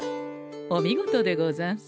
お見事でござんす。